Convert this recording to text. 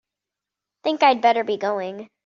Think I'd better be going.